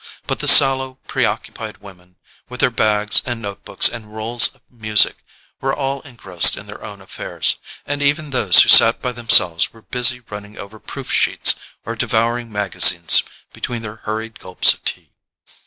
But the sallow preoccupied women, with their bags and note books and rolls of music, were all engrossed in their own affairs, and even those who sat by themselves were busy running over proof sheets or devouring magazines between their hurried gulps of tea.